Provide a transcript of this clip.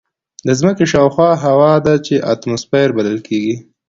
د ځمکې شاوخوا هوا ده چې اتماسفیر بلل کېږي.